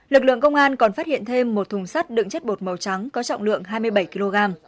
lực lượng công an còn phát hiện thêm một thùng sắt đựng chất bột màu trắng có trọng lượng hai mươi bảy kg